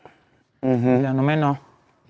เนี่ยเน่อะแม่เนาะ